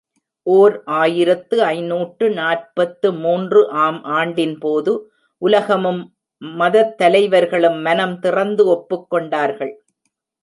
ஓர் ஆயிரத்து ஐநூற்று நாற்பத்து மூன்று ஆம் ஆண்டின் போது, உலகமும், மதத்தலைவர்களும் மனம் திறந்து ஒப்புக் கொண்டார்கள்.